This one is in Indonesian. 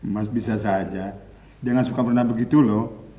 mas bisa saja jangan suka bernah begitu loh